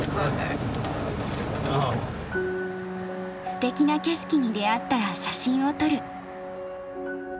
すてきな景色に出会ったら写真を撮る。